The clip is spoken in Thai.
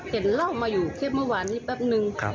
เห็นเล่ามาอยู่คลิปเมื่อวานนี้แป๊บนึง